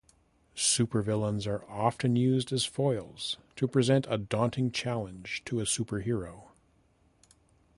Supervillains are often used as foils to present a daunting challenge to a superhero.